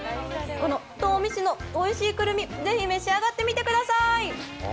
この東御市のおいしいくるみぜひ召し上がってみてください。